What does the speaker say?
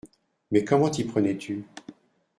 Mais comment t’y prenais-tu ?